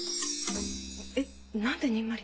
えっなんでにんまり？